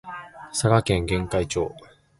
佐賀県玄海町